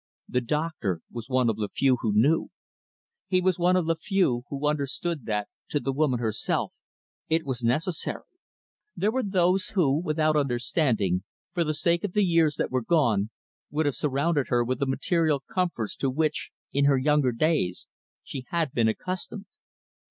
The doctor was one of the few who knew. He was one of the few who understood that, to the woman herself, it was necessary. There were those who without understanding, for the sake of the years that were gone would have surrounded her with the material comforts to which, in her younger days, she had been accustomed.